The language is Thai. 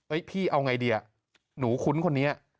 เอ้ยพี่เอาไงดีอ่ะหนูคุ้นคนนี้อืม